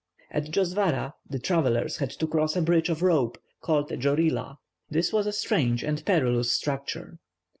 At Djosvara the travellers had to cross a bridge of rope, called a "djorila." This was a strange and perilous structure.